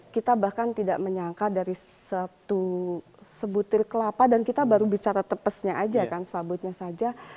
kita bahkan tidak menyangka dari satu sebutir kelapa dan kita baru bicara tepesnya aja kan sabutnya saja